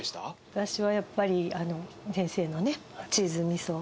私はやっぱり先生のねチーズ味噌。